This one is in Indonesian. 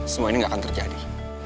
semua ini nggak akan terjadi